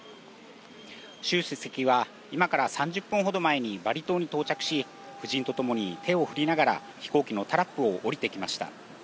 習主席は今から３０分ほど前にバリ島に到着し、夫人と共に手を振りながら、飛行機のタラップを降りてきました。